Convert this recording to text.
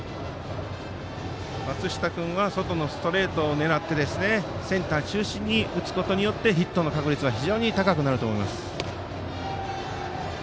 松下君は外のストレートを狙ってセンター中心に打つことでヒットの可能性が高くなると思います。